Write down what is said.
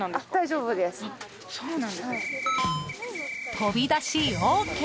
飛び出しＯＫ。